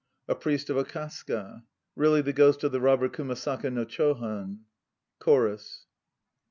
A PRIEST OF AKASAKA (really the ghost of the robber KUMASAKA NO CHOHAN). CHORUS.